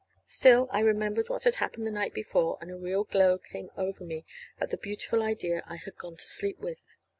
Still I remembered what had happened the night before, and a real glow came over me at the beautiful idea I had gone to sleep with.